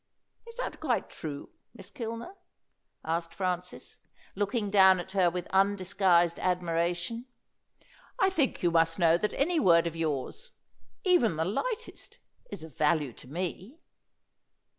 "Is that quite true, Miss Kilner?" asked Francis, looking down at her with undisguised admiration. "I think you must know that any word of yours even the lightest is of value to me."